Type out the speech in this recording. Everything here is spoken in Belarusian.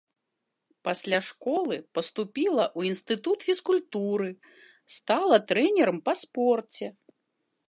Пасля школы паступіла ў інстытут фізкультуры, стала трэнерам па спорце.